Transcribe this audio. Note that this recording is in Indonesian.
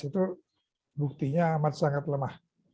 itu buktinya amat sangat lemah